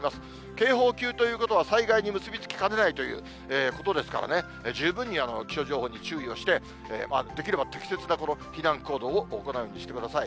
警報級ということは、災害に結び付きかねないということですから、十分に気象情報に注意をして、できれば適切な避難行動を行うようにしてください。